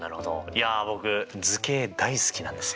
いや僕図形大好きなんですよ！